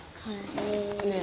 ねえ。